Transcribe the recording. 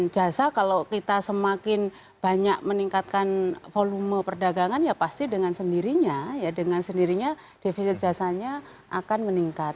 jasa kalau kita semakin banyak meningkatkan volume perdagangan ya pasti dengan sendirinya ya dengan sendirinya defisit jasanya akan meningkat